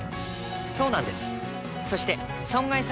そうなんです。